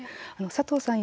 佐藤さん